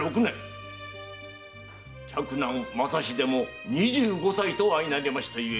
嫡男・正秀も二十五歳とあいなりましたゆえ。